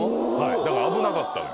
だから危なかったのよ。